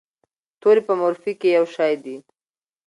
توري په مورفي کې یو شی دي.